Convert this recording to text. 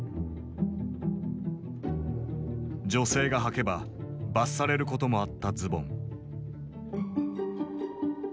女性がはけば罰されることもあったズボン。